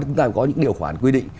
chúng ta có những điều khoản quy định